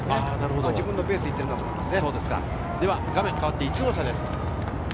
自分のペースで行っているなと思いますね。